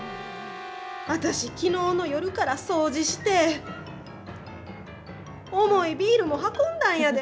私きのうの夜から掃除して重いビールも運んだんやで。